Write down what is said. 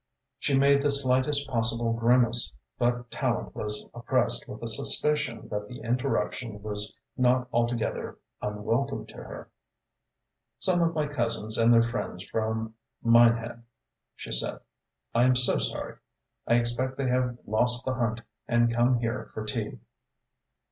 She made the slightest possible grimace, but Tallente was oppressed with a suspicion that the interruption was not altogether unwelcome to her. "Some of my cousins and their friends from Minehead," she said. "I am so sorry. I expect they have lost the hunt and come here for tea."